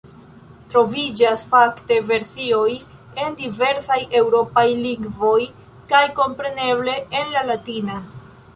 Troviĝas, fakte, versioj en diversaj eŭropaj lingvoj kaj, kompreneble, en la latina.